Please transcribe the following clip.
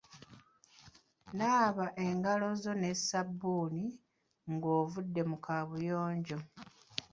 Naaba engalo zo ne sabbuuni ng'ovudde mu kaabuyonjo.